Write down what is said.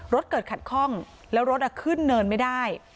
รถเกิดขัดข้องแล้วรถขึ้นเนินไม่ได้